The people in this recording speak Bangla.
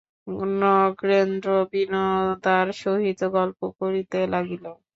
নগেন্দ্র বিনোদার সহিত গল্প করিতে লাগিল।